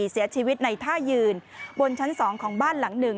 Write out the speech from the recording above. เสียชีวิตในท่ายืนบนชั้น๒ของบ้านหลังหนึ่ง